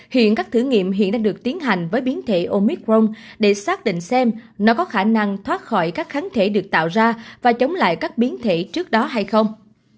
hiện các thử nghiệm hiện đang được tiến hành với biến thể omicron để xác định xem nó có khả năng thoát khỏi các kháng thể được tạo ra và chống lại các biến thể trước đó hay không